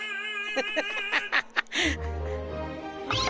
ハハハハ！